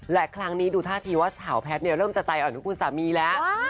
และครั้งนี้ดูท่าทีว่าสาวแพทย์เริ่มจะใจอ่อนนุคุณสามีแล้ว